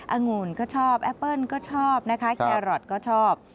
องุ่นก็ชอบแอปเปิ้ลก็ชอบนะคะแครอทก็ชอบ